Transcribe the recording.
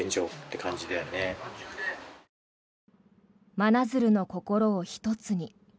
真鶴の心を一つに。